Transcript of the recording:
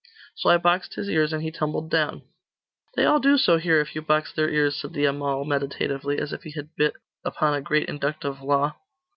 So I boxed his ears, and he tumbled down.' 'They all do so here, if you box their ears,' said the Amal meditatively, as if he had bit upon a great inductive law.